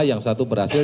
yang satu berhasil